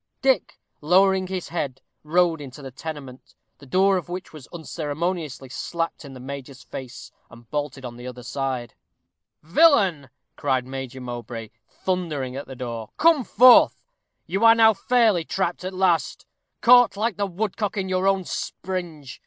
Dick, lowering his head, rode into the tenement, the door of which was unceremoniously slapped in the major's face, and bolted on the other side. "Villain!" cried Major Mowbray, thundering at the door, "come forth! You are now fairly trapped at last caught like the woodcock in your own springe.